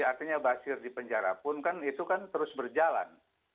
artinya basir di penjara pun kan itu kan terus berjalan